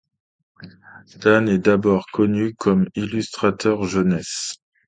Tan est d'abord connu comme illustrateur jeunesse.